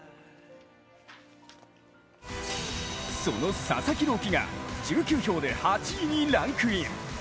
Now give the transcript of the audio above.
その佐々木朗希が１９票で８位にランクイン。